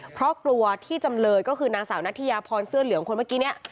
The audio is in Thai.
เพราะกลัวที่จำเลยก็คือนางสาวนัทยาพรเสื้อเหลืองคนเมื่อกี้เนี่ย